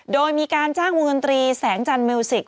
โดยมีการจ้างวงดนตรีแสงจันทมิวสิก